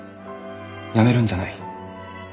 やめるんじゃない。